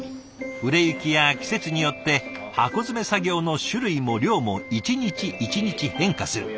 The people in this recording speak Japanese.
売れ行きや季節によって箱詰め作業の種類も量も一日一日変化する。